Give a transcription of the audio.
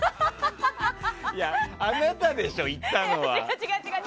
あなたでしょ、言ったのは。